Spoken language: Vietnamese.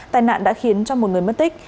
tai nạn đã khiến một người mất tích